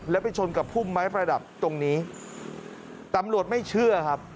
แล้วไปชนกับพุ่มไม้ประดับตรงนี้ตำรวจไม่เชื่อครับ